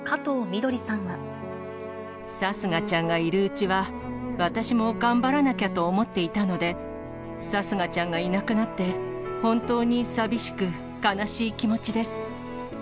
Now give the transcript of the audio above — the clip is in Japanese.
貴家ちゃんがいるうちは、私も頑張らなきゃと思っていたので、貴家ちゃんがいなくなって、本当に寂しく、悲しい気持ちです。